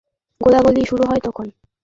মোটামুটি গোলাগুলি শুরু হয় তখন।